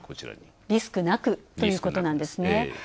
リスクなくということなんですね。